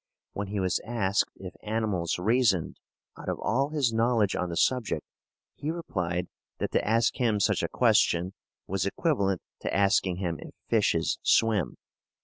When he was asked if animals reasoned, out of all his knowledge on the subject he replied that to ask him such a question was equivalent to asking him if fishes swim.